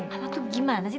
apa itu gimana sih